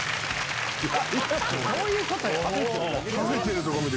どういうことや？